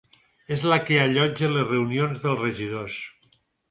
És la que allotja les reunions dels regidors.